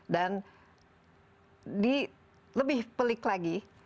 dan di lebih pelik lagi